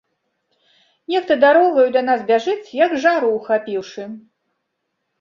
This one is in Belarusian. Нехта дарогаю да нас бяжыць, як жару ўхапіўшы.